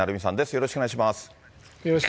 よろしくお願いします。